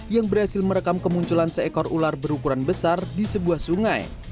yang berhasil merekam kemunculan seekor ular berukuran besar di sebuah sungai